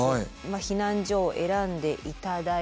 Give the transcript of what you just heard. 避難所を選んでいただいて。